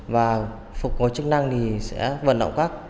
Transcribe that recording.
và phục hồi chức năng thì sẽ vận động các